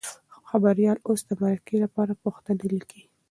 خبریال اوس د مرکې لپاره پوښتنې لیکي.